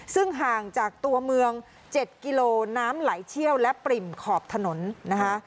ซึ่งห่างจากตัวเมือง๗กิโลน้ำไหลเชี่ยวและปริ่มขอบถนนนะคะ